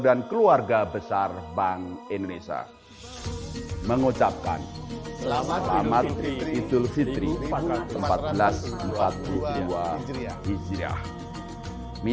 dan kembali membangkitkan gairah ekonomi